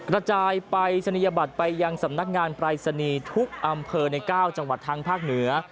กระจายปรายศนียบัตรไปยังสำนักงานปรายศนีย์ทุกอำเภอใน๙จังหวัดทางภาคเหนือ